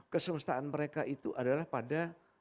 kesemestaan mereka itu adalah pada